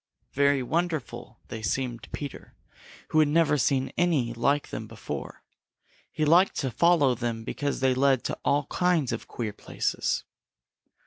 Very wonderful they seemed to Peter, who had never seen any like them before. He liked to follow them because they led to all kinds of queer places.